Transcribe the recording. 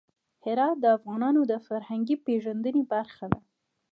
هرات د افغانانو د فرهنګي پیژندنې برخه ده.